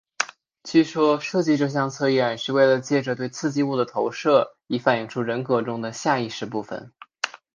据说设计这项测验是为了藉着对刺激物的投射以反映出人格中的下意识部分。